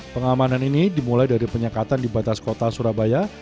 pengamanan ini dimulai dari penyekatan di batas kota surabaya